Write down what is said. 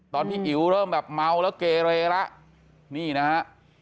ตอนที่อิ๋วเริ่มแบบเมาแล้วเกเรละนี่นะฮะ